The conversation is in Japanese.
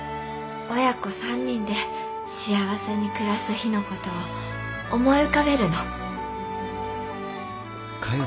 親子３人で幸せに暮らす日の事を思い浮かべるの。かよ